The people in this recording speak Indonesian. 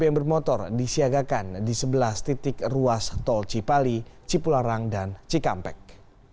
bbm bermotor disiagakan di sebelas titik ruas tol cipali cipularang dan cikampek